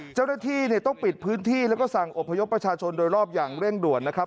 เจ้าหน้าที่เนี่ยต้องปิดพื้นที่แล้วก็สั่งอบพยพประชาชนโดยรอบอย่างเร่งด่วนนะครับ